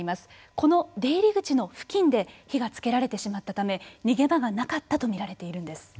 この出入り口の付近で火がつけられてしまったため逃げ場がなかったとみられているんです。